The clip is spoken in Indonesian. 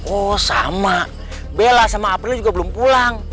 oh sama bella sama april juga belum pulang